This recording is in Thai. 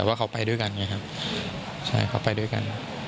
ว่าเขาไปด้วยกันไงครับใช่เขาไปด้วยกัน